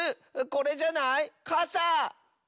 これじゃない？かさ！